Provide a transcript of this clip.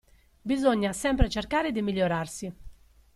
Bisogna sempre cercare di migliorarsi.